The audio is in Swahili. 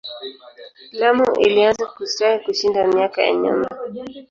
Lamu ilianza kustawi kushinda miaka ya nyuma.